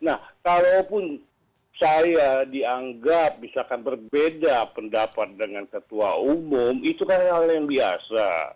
nah kalaupun saya dianggap misalkan berbeda pendapat dengan ketua umum itu kan hal yang biasa